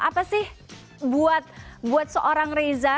apa sih buat seorang reza